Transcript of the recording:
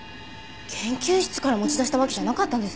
研究室から持ち出したわけじゃなかったんですね。